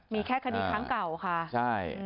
มีแค่คดีครั้งเก่าค่ะใช่